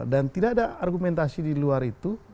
dan tidak ada argumentasi di luar itu